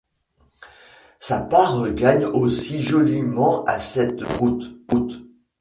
Sa part gagne aussi joliment, à cette route.